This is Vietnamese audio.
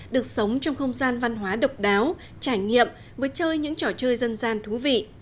được sống trong không gian văn hóa độc đáo trải nghiệm với chơi những trò chơi dân gian thú vị